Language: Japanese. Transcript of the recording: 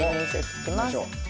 いきましょう。